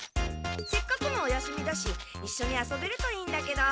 せっかくのお休みだしいっしょに遊べるといいんだけど。